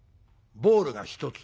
ボールが「一つ」